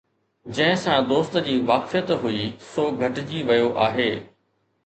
جنهن سان دوست جي واقفيت هئي، سو گهٽجي ويو آهي